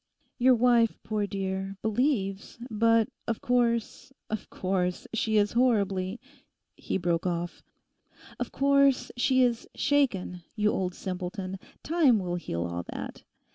Your wife, poor dear, believes; but of course, of course, she is horribly—' he broke off; 'of course she is shaken, you old simpleton! Time will heal all that.